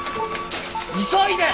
急いで！